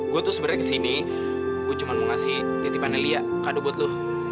gue tuh sebenarnya ke sini gue cuma mau ngasih titipan nelia kado buat lo